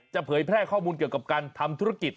เผยแพร่ข้อมูลเกี่ยวกับการทำธุรกิจ